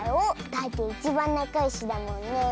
だっていちばんなかよしだもんねえ。